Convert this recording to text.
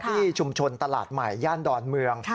ที่ชุมชนตลาดใหม่ย่านดอนเมือง